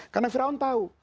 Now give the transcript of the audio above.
karena fir'aun tahu